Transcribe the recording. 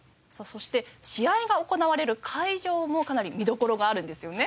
そして試合が行われる会場もかなり見どころがあるんですよね。